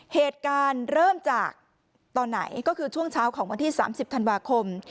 เหตุการณ์เริ่มจากตอนไหนก็คือช่วงเช้าของวันที่๓๐ธันวาคม